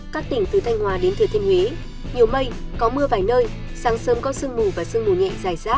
các tỉnh từ thanh hòa đến thừa thiên huế nhiều mây có mưa vài nơi sáng sớm có sương mù và sương mù nhẹ dài rác